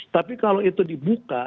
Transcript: tapi kalau itu dibuka